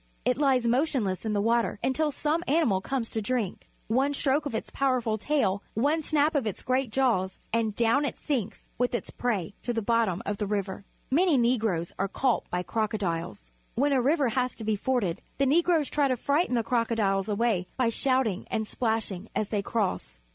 It lies motionless in the water until some animal comes to drink. One stroke of its powerful tail, one snap of its great jaws, and down it sinks with its prey to the bottom of the river. IMany Negroes are caught by crocodiles. When a river has to be forded, the Negroes try to frighten the crocodiles away by shouting and splash ing as they cross.